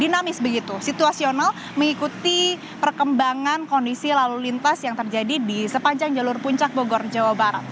dinamis begitu situasional mengikuti perkembangan kondisi lalu lintas yang terjadi di sepanjang jalur puncak bogor jawa barat